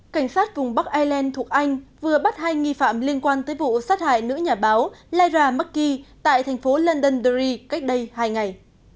cảnh sát vùng bắc ireland thuộc anh vừa bắt hai nghi phạm liên quan tới vụ sát hại nữ nhà báo lyra mckey tại thành phố london dory cách đây hai ngày